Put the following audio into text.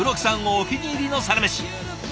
お気に入りのサラメシ。